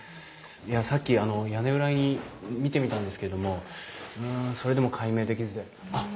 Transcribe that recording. いやさっき屋根裏見てみたんですけれどもうんそれでも解明できずであっ。